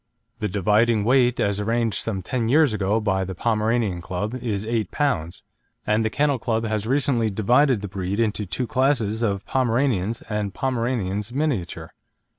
The dividing weight, as arranged some ten years ago by the Pomeranian Club, is 8 lb., and the Kennel Club has recently divided the breed into two classes of Pomeranians and Pomeranians Miniature.